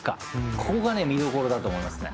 ここが見どころだと思います。